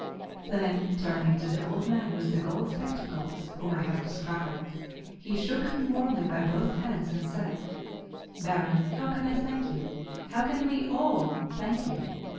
Then turning to the old man with the gold spectacles, whom I have described, he shook him warmly by both hands and said: "Baron, how can I thank you? How can we all thank you?